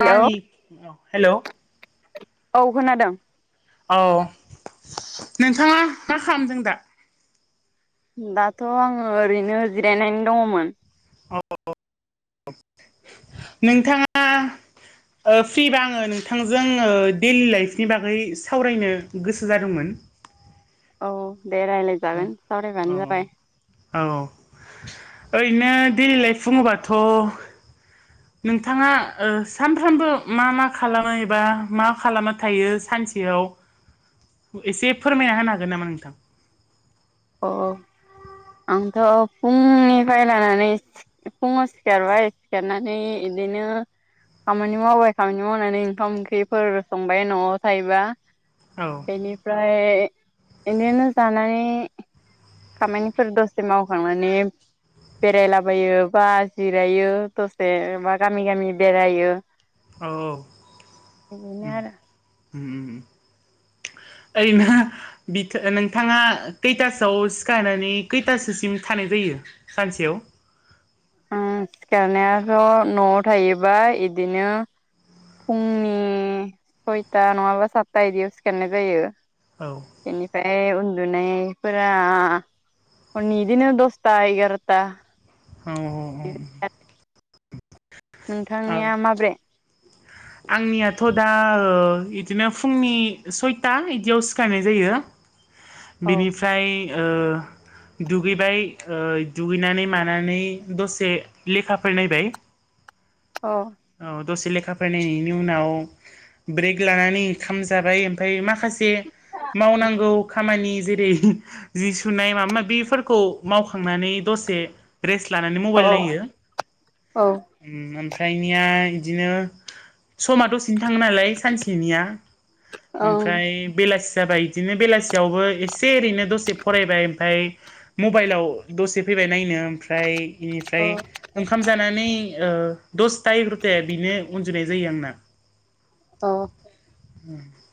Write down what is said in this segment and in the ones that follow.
Hello हेल' औ खोनादों औ नोंथाङा मा खालामदों दा? दाथ' आङो ओरैनो जिरायनानै दङमोन। औ नोंथाङा? [inaudible] ओ फ्रिबा आङो नोंथांजों डेइलि लाइफनि बागै सावरायनो गोसो जादोंमोन। औ दे लायरायनि ओ औ औ ओरैनो देइलि लाइफ बुङोबाथ' नोंथाङा ओ सानफ्रामबो मा मा खालामो एबा मा खालामना थायो सानसेयाव [inaudible] एसे फोरमायना होनो हागोन नामा नोंथां? अ अ आंथ' फुंनिफाय लानानै फुङाव सिखारबाय सिखारनानै इदिनो खामानि मावबाय खामानि मावनानै ओंखाम ओंख्रिफोर संबाय न'आव थायोबा औ बेनिफ्राय बिदिनो जानानै खामानिफोर दसे मावखांनानै बेरायलाबायो बा जिरायो दसे बा गामि गामि बेरायो [inaudible] औ उम बिदिनो आरो उम उम ओरैनो बियो नोंथाङा खैथासोआव सिखारनानै खैथासोसिम थानाय जायो? सानसेयाव उम सिखारनायाथ' न'आव थायोबा इदिनो फुंनि सयथा नङाबा सातथा बिदियाव सिखारनाय जायो। औ इनिफ्राय उन्दुनायफोरा हरनि इदिनो दसता एगारता औ औ औ। औ नोंथांनिया माब्रे आंनियाथ' दा बिदिनो फुंनि सयथा बिदियाव सिखारनाय जायो। औ बेनिफ्राय ओ दुगैबाय ओ दुगैनानै मानानै दसे लेखाफोर नायबाय अ औ दसे लेखा फरायनायनि उनाव ब्रेक लानानै ओंखाम जाबाय ओमफ्राय माखासे से मावनांगौ खामानि जेरै जि सुनाय माबा माबिफोरखौ मावखांनानै दसे रेस्ट लानानै मबाइल औ नायो औ ओमफ्रायनिया बिदिनो समा दसेनो थाङो नालाय सानसेनिया ओं ओमफ्राय बेलासि जाबाय बिदिनो बेलासियावबो एसे एओरैनो दसे फरायबाय ओमफ्राय मबाइलाव दसे फैबाय नायनो ओमफ्राय बेनिफ्राय ओंखाम जानानै दसथा एगार'थाया बिनो उनदुनाय जायो आंना अ [inaudible]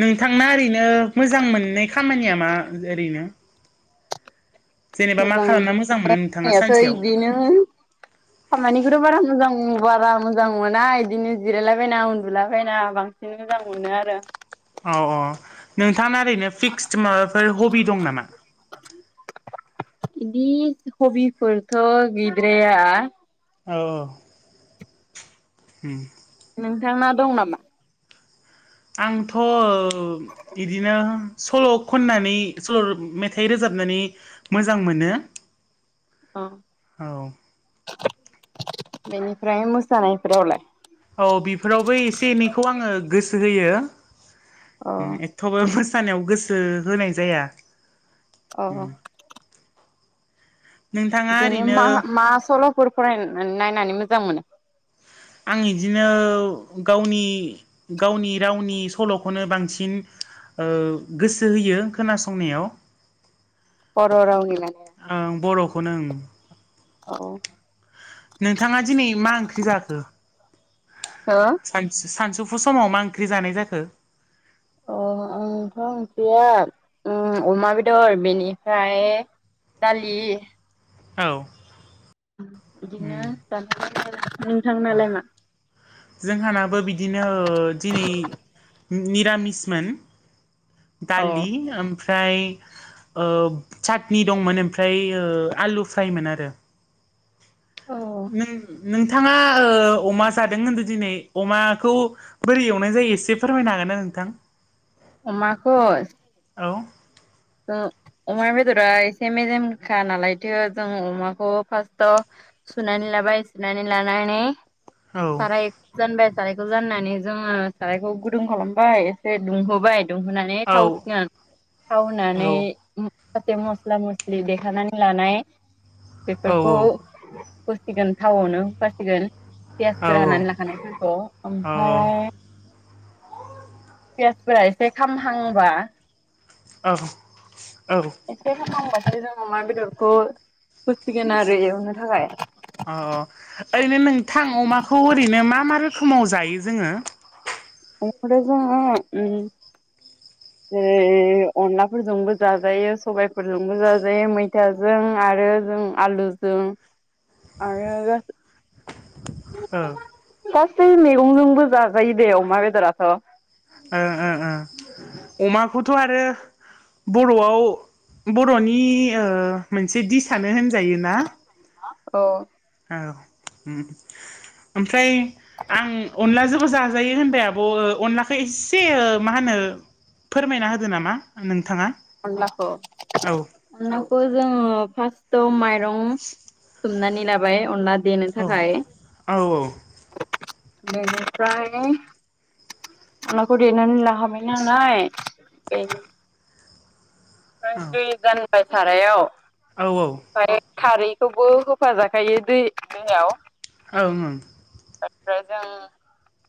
नोंथांना ओरैनो मोजां मोननाय खामानिया मा ओरैनो जेनेबा मा मोजां खालामना मोजां मोनो नोंथाङा जायाखै सानसेयाव बिदिनो खामानिखौथ बारा मोजां बारा मोजां मोना इदिनो जिरायलाबायना उन्दुलाबायना बांसिन मोजां मोनो आरो औ औ नोंथाङा ओरैनो फिक्स माबाफोर हबि दं नामा इदि हबिफोरथ गैद्राया औ औ उम नोंथाना दं नामा आंथ ओ बिदिनो सल' खननानै सल' मेथाइ रोजाबनानै मोजां मोनो अ औ बेनिफ्रायाइ मोसानायफोरावलाय औ बेफोरावबो एसे एनैखौ आङो गोसो होयो अ होम एथ'बो मोसानायाव गोसो होनाय जाया अ नोंथाङा बिदिनो मा ओरैनो मा सल'फोर फराय नायनानै मोजां मोनो आं इदिनो गावनि गावनि रावनि सलखौनो बांसिन ओ गोसो होयो खोनासंनायाव हर हराव नेना आं बरखौनो उम औ हो नोंथाङा दिनै मा ओंख्रि जाखो? अ सान सानसौफु समाव मा ओंख्रि जानाय जाखो अ आंथ' ओंख्रिया अमा बेदर बेनिफ्राय दालि औ बिदिनो उम दान नोंथां अ नालाय मा जोंहानाबो बिदिनो ओ दिनै मिरामिसमोन अ दालि ओमफ्राय चाटनि दंमोन ओमफ्राय आलु फ्राइमोन आरो औ नों नोंथाङा अमा जादों होनदों दिनै अमाखौ बोरै एवनाय जायो एसे फोरमायनो हागोन ना नोंथां? अमाखो [unintelligible] औ। ओ अमा बेदरा एसे मेजेमखा नालायथो जों अमाखौ फासताव सुनानै लाबाय सुनानै लानानै औ साराय जानबाय सारायखौ जाननानै जोङो सारायखौ गुदुं खालामबाय एसे दुंहोबाय दुंहोनानै [inaudible] औ औ नानै [unintelligible] मस्ला मस्लि देखानानै लानाय औ बेफोरखौ होसिगोन थावआवनो होफासिगोन पियासफोर हानानै लाखानायफोरखौ औ ओमफ्राय पियासफोरा एसे खामहांबा औ औ। एसे [unintelligible] जों अमा बेदरखौ होसिगोन आरो एवनो थाखाय अ ओरैनो नोंथां अमाखौ ओरैनो मा मा रोखोमाव जायो जोङो? [unintelligible] जेरै अनलाफोरजोंबो जाजायो सबायाइफोरजोंबो जाजायो मैथा जों आरो जों आलुजों आरो गो ओ गासै मैगंजोंबो जाजायो दे अमा बेदराथ'। ओं ओंओं अमाखौथ' आरो बर'आव बर'नि ओ मोनसे दिसानो होनजायो ना अ। औ ओम ओमफ्राय आं अनलाजोंबो जाजायो होनबाय आब' अनलाखौ एसे ओ मा होनो फोरमायना होदो नामा नोंथाङा। अनलाखौ औ अनलाखौ जोङो फास्टआव माइ रं सोमनानै लाबाय अनला देनो औ औ थाखाय। औ [unintelligible] बेनिफ्राय अनलाखौ देनानै [unintelligible] [unintelligible] [unintelligible] सारायाव औ औ। [unintelligible] खारैखौबो होफाजाखायो दै [unintelligible] ओं - ओं। [unintelligible] जों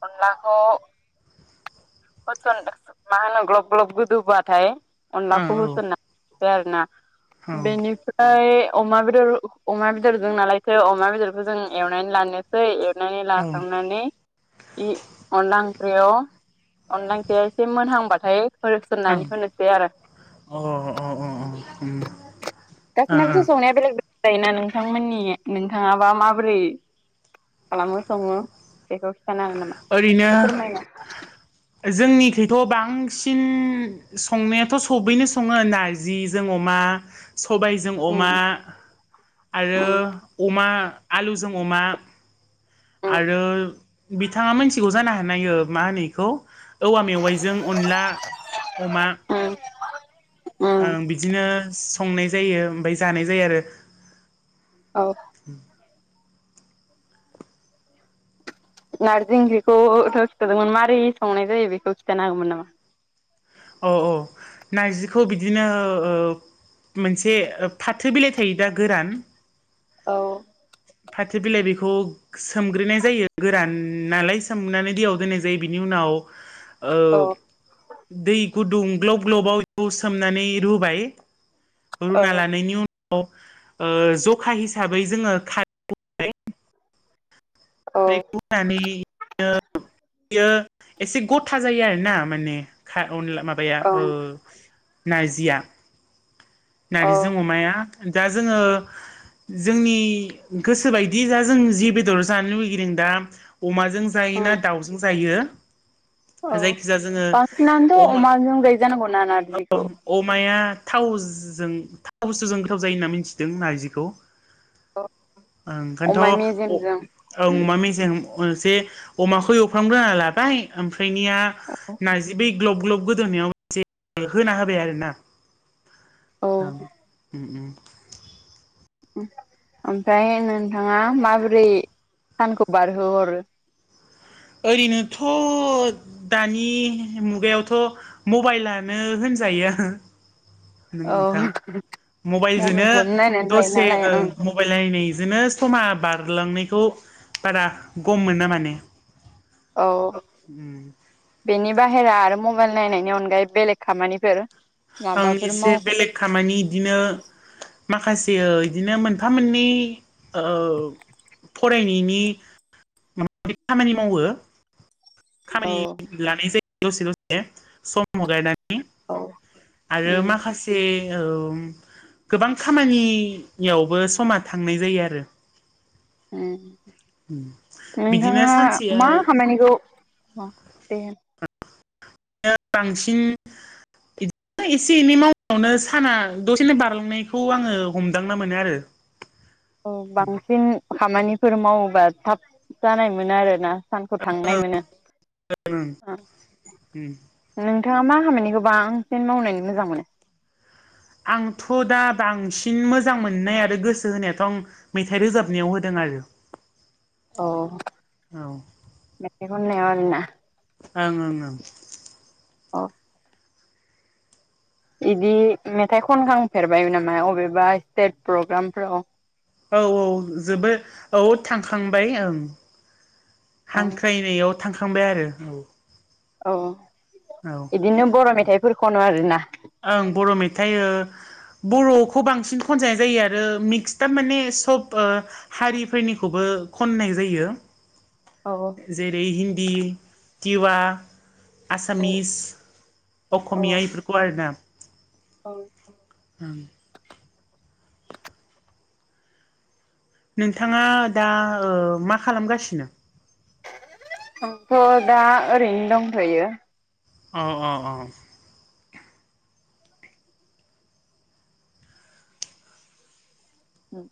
अनलाखौ [unintelligible] ग्लब ग्लब गोदौबाथाय ओं अनलाखौ [unintelligible] हो औ आरो ना [unintelligible] ओ अमा बेदर अमा बेदरजों नालायथो अमा बेदरखौ जों एवनानै लानो सै एरनानै लाखांनानै इ अनला ओंख्रियाव अनला ओंख्रिया एसे मोनहांबाथाय ओं [unintelligible] होनोसै आरो। अ- अ - अ ओम। गासैनाबोथ' संनाया [unintelligible] जायोना नोंथांमोननि नोंथाङाबा माबोरै खालामो सङो बेखौ खिन्थानो हागोन नामा? ओरैनो एसे फोरमायना जोंनिखैथ' बांसिन संनायाथ' सबैनो सङो नारजि जों अमा सबाय जों अमा उम आरो उम अमा आलुजों अमा उम आरो नोंथाङा मिथिगौ जानो हानायो ओ मा होनो इखौ औवा मेवाइजों अनला अमा [unintelligible] उम ओं बिदिनो संनाय जायो ओमफ्राय जानाय जायो आरो। औ नारजि ओंख्रिखौ थ' खिथादोंमोन माबोरै संनाय जायो बेखौ खिन्थानो हागोमोन नामा? औ औ नारजिखौ बिदिनो ओ मोनसे फाथो बिलाइ थायो दा गोरान औ। फाथो बिलाइ बेखौ सोमग्रोनाय जायो गोरान नालाय सोमनानै दैयाव दोननाय जायो बिनि उनाव ओ अ। दै गुदुं ग्लब ग्लबाव सोमनानै रुबाय रुना औ लानायनि उनाव जखा हिसाबै जोङो [unintelligible] औ बियो एसे गथा जायो आरोना माने अनला माबा माबाया नारजिया औ नारजिजों अमाया दा जोङो जोंनि गोसोबायदि दा जों जि बेदर जानो लुगैदों दा अमाजों जायो ना दाउजों जायो औ जायखिजाया बांसिनानोथ' जोङो अमाजों जायो जानांगौना नारजिखौ अमा अमाया थावजों थावस जों गोथाव जायो होनना मिथिदों नारजिखौ ओंखायथ' अमा मेजेमजों उम अमा मेजेम जे अमाखौ एवफ्रामग्रोना लाबाय ओमफ्रायनिया नारजि बै ग्लब ग्लब गोदोननायाव एसे होना होबाय आरो ना औ उम उम। ओमफ्राय नोंथाङा माबोरै सानखौ बारहोहरो। ओरैनोथ' दानि मुगायावथ' मबाइलानो होनजायो। औ नोंथां मबाइलजोंनो मबाइलखौनो नायनानै थायो दसे नालाय ओं मबाइल नायनायजोंनो समा बारलांनायखौ बारा गम मोना माने औ बेनि बाहेरा आरो मबाइल नायनायनि अनगायै बेलेग खामानिफोर आं माबाफोर एसे बेलेग खामानि बिदिनो माखासे बिदिनो मोनफा मोननै फरायनायनि माबा खामानि मावो औ खामानि लानाय जायो दसे दसे सम गायनानै औ आरो उम माखासे एसे गोबां खामानियावबो समा थांनाय जायो आरो बिदिनो नोंथाङा सानसेया मा खामानिखौ बांसिन इदि एसे एनै मावनायावनो साना दसेनो बारलांनायखौ आङो हमदांना मोनो आरो औ बांसिन खामानिफोर मावोबा थाब जानायमोन आरोना सानखौ थांनाय मोनो नोंथाङा मा खामानिखौ बांसिन मावनानै मोजां मोनो आंथ' दा बांसिन मोजां मोननाय आरो गोसो होनायाथ' आं मेथाइ रोजाबनायाव होदों आरो [inaudible] औ आरोना ओं ओं ओं। औ। बिदि मेथाइ खनखांफेरबाय नामा अबेबा स्टेज प्रग्राम फाव औ औ जोबोद औ थांखांबाय ओं औ हांख्रायनायाव थांखांबाय आरो। औ औ। औ बिदिनो बर' मेथाइफोर खनो आरोना ओं बर' मेथाइ बर'खौ बांसिन खनजानायनाय जायो आरो मिक्सआ माने सब हारिफोरनिखौबो खननाय जायो औ औ जेरै हिन्दी टिवा आसामिस औ असमिया बेफोरखौ आरोना औ ओं नोंथाङा दा मा खालामगासिनो आंथ' दा ओरैनो दंथ'यो औ औ औ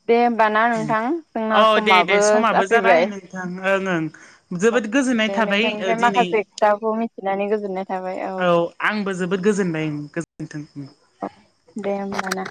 दे होमबा ना नोंथां जोंना औ दे दे समाबो जाबाय जाफैबाय नोंथां ओं ओं जोबोद गोजोननाय दे थाबाय नोंथांनिफ्राय दिनै माखासे खोथाखौ मिथिनानै गोजोननाय थाबाय औ आंबो जोबोद गोजोनबाय गोजोनथों दे होनबाना